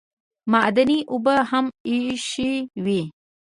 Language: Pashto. معدني اوبه هم ایښې وې.